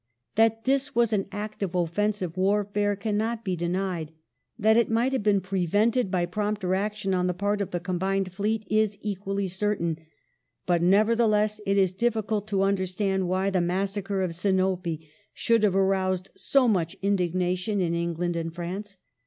That this was an act of " offensive warfare " cannot be denied ; The mas that it might have been prevented by prompter action on the pai t ^^^^^ of the combined fleet is equally certain, but nevertheless it is diffi cult to understand why *' the massacre of Sinope " should have aroused so much indignation in England and France.